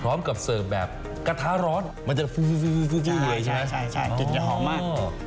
พร้อมกับเสิร์ฟแบบกระทะร้อนมันจะใช่ใช่ใช่จริงจะหอมมากอ๋อ